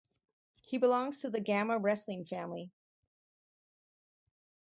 He belongs to the Gama Wrestling family.